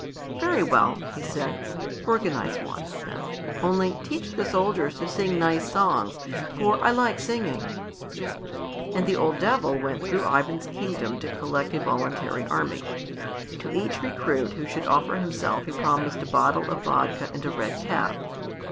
"Very well," he said, "organize one, then; only teach the soldiers to sing nice songs, for I like singing." And the old Devil went through Ivan's kingdom to collect a voluntary army. To each recruit who should offer himself he promised a bottle of vodka and a red cap.